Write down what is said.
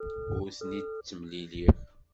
Ur ten-id-ttemliliɣ.